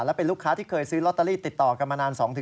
และเป็นลูกค้าที่เคยซื้อลอตเตอรี่ติดต่อกันมานาน๒๕